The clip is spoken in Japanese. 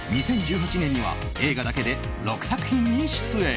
２０１８年には映画だけで６作品に出演。